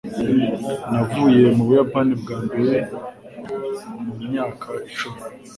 Navuye mu Buyapani bwa mbere mu myaka icumi.